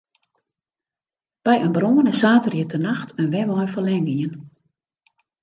By in brân is saterdeitenacht in wenwein ferlern gien.